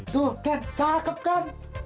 tuh ken cakep kan